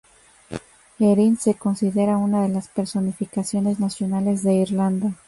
Erin se considera una de las personificaciones nacionales de Irlanda.